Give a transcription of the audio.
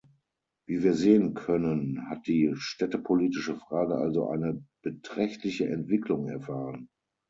Wie wir sehen können, hat die städtepolitische Frage also eine beträchtliche Entwicklung erfahren.